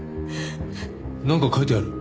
なんか書いてある。